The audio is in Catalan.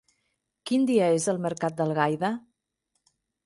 Quin dia és el mercat d'Algaida?